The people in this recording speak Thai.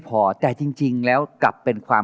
โปรดติดตามต่อไป